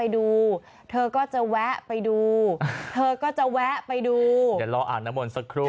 เดี๋ยวลองอาห์หน้ามนต์สักครู่